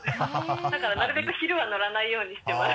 だからなるべく昼は乗らないようにしてます。